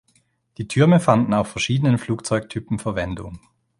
Die Türme fanden auf verschiedenen Flugzeugtypen Verwendung.